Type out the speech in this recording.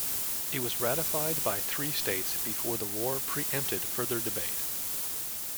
It was ratified by three states before the war pre-empted further debate.